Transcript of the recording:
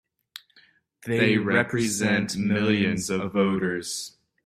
They represent millions of voters!